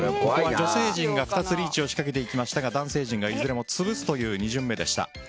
女性陣が２つリーチをしてきましたが男性陣がいずれも潰すという２巡目でした。